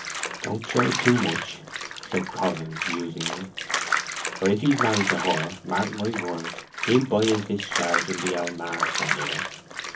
"Don't show it too much," said Coggan, musingly. "For if he's married to her, mark my words, he'll buy his discharge and be our master here.